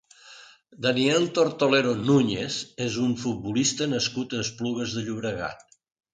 Daniel Tortolero Núñez és un futbolista nascut a Esplugues de Llobregat.